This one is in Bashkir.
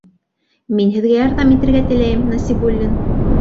Мин һеҙгә ярҙам итергә теләйем, Насибуллин!..